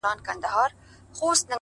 مهرباني د انسانیت ښکلی عطر دی’